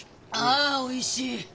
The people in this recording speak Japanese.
あおいしい！